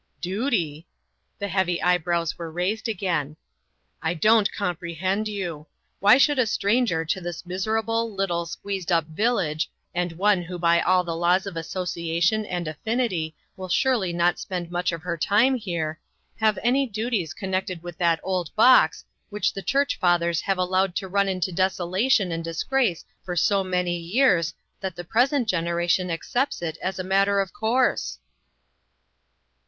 A "FANATIC." 167 " Duty !" The heavy eyebrows were raised again. "I don't comprehend you. Why should a stranger to this miserable, little, squeezed up village, and one who by all the laws of association and affinity will surely not spend much of her time here, have any duties con nected with that old box, which the church fathers have allowed to run into desolation and disgrace for so many years, that the % present generation accepts it as a matter of course